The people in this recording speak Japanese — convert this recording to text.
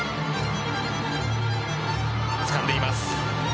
つかんでいます。